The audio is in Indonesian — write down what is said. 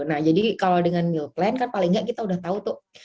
nah jadi kalau dengan meal plan kan paling nggak kita udah tahu tuh